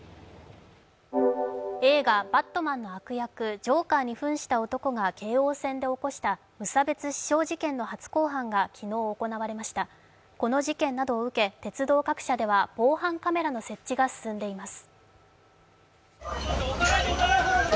映画「バットマン」の悪役ジョーカーにふんした男が京王線で起こした無差別刺傷事件の初公判が昨日行われました、この事件などを受け、鉄道各社では防犯カメラの設置が進んでいます。